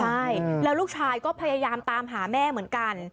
ใช่แล้วลูกชายก็พยายามตามหาแม่เหมือนกัน